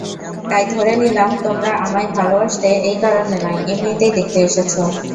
তাই ধরে নিলাম, তোমরা আমায় ভালবাসতে এই কারণে নয়, এমনিতেই দেখতে এসেছো।